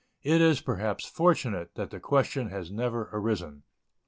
It is, perhaps, fortunate that the question has never arisen.